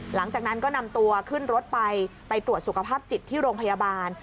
หลังจากนั้นก็นำตัวขึ้นรถไปไปตรวจสุขภาพจิตที่โรงพยาบาล